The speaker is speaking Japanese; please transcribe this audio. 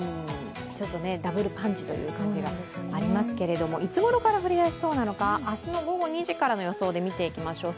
ダブルパンチという感じがありますけれども、いつごろから降り出しそうなのか明日の午後２時から見ていきましょう。